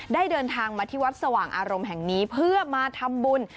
เดินทางมาที่วัดสว่างอารมณ์แห่งนี้เพื่อมาทำบุญ